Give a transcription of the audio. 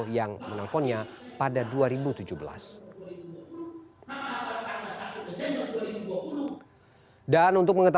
yang menelponnya pada dua ribu tujuh belas